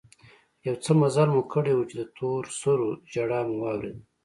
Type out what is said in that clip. يو څه مزل مو کړى و چې د تور سرو ژړا مو واورېدل.